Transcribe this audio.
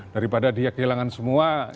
daripada dia kehilangan semua